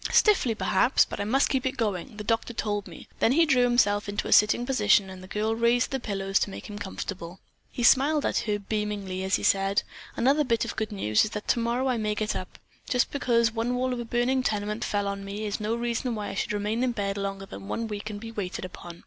Stiffly, perhaps, but I must keep it going, the doctor told me." Then he drew himself into a sitting position and the girl raised the pillows to make him comfortable. He smiled at her beamingly as he said: "Another bit of good news is that tomorrow I may get up. Just because one wall of a burning tenement fell on me is no reason why I should remain in bed longer than one week and be waited upon."